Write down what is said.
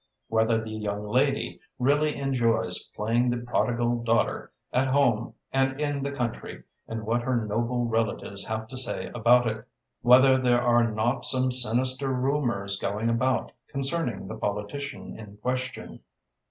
Whether the young lady really enjoys playing the prodigal daughter at home and in the country, and what her noble relatives have to say about it. Whether there are not some sinister rumours going about concerning the politician in question.